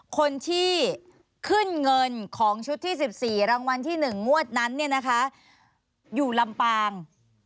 คนที่ขึ้นเงินของชุดที่๑๔รางวัลที่๑งวดนั้นเนี่ยนะคะอยู่ลำปาง